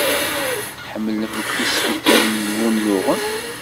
Tḥemmlemt tisfifin n wunuɣen?